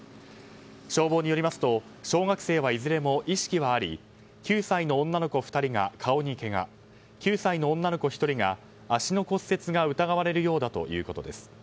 消防によりますと小学生はいずれも意識はあり９歳の女の子２人が顔にけが９歳の女の子１人が足の骨折が疑われるようだということです。